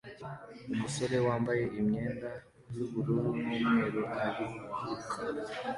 Umusore wambaye imyenda yubururu n'umweru ariruka